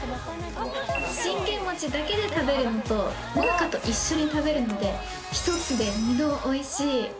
信玄餅だけで食べるのと、もなかと一緒に食べるので、１つで２度おいしい。